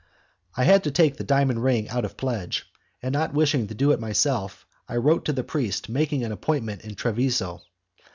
I had to take the diamond ring out of pledge, and not wishing to do it myself, I wrote to the priest making an appointment in Treviso.